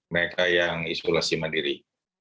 mereka yang isolasi mandiri